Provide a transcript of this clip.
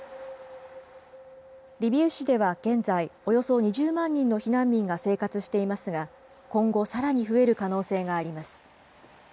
リビウ市では現在、およそ２０万人の避難民が生活していますが、今後、さらに増える可能性があります。